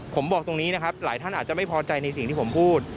ผมบอกตรงนี้นะครับหลายท่านอาจจะไม่พอใจในสิ่งที่ผมพูด